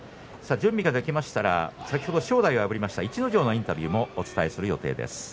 準備ができましたら正代を破りました逸ノ城のインタビューもお伝えする予定です。